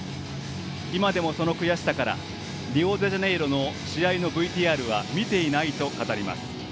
今でもその悔しさからリオデジャネイロの試合のＶＴＲは見ていないと語ります。